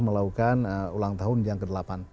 melakukan ulang tahun yang ke delapan